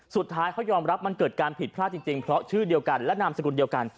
สุดท้ายเขายอมรับมันเกิดการผิดพลาดจริงเพราะชื่อเดียวกันและนามสกุลเดียวกัน